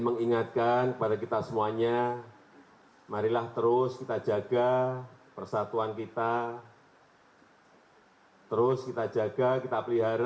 menjaga kerukunan kita